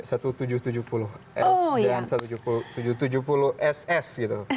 seribu tujuh ratus tujuh puluh s dan seribu tujuh ratus tujuh puluh ss gitu